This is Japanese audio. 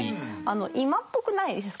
今っぽくないですか。